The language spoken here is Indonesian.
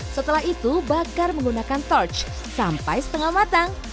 setelah itu bakar menggunakan torch sampai setengah matang